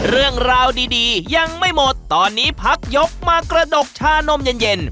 เรื่องราวดียังไม่หมดตอนนี้พักยกมากระดกชานมเย็นเย็น